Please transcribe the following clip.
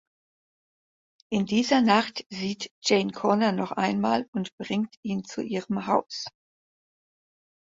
In dieser Nacht sieht Jane Connor noch einmal und bringt ihn zu ihrem Haus.